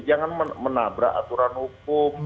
jangan menabrak aturan hukum